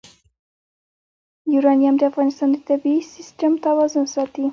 یورانیم د افغانستان د طبعي سیسټم توازن ساتي.